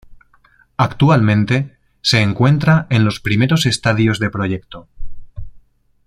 Actualmente se encuentra en los primeros estadios de proyecto.